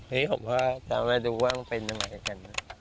นี่ผมก็จะมาดูว่ามันเป็นยังไงกัน